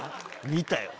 見たよ。